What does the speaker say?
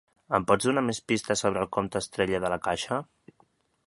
Em pots donar més pistes sobre el compte Estrella de La Caixa?